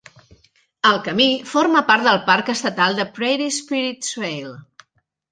El camí forma part del parc estatal de Prairie Spirit Trail.